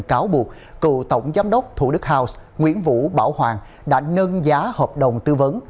cáo buộc cựu tổng giám đốc thủ đức house nguyễn vũ bảo hoàng đã nâng giá hợp đồng tư vấn